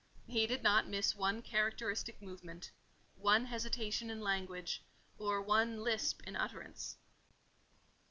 He did not miss one characteristic movement, one hesitation in language, or one lisp in utterance.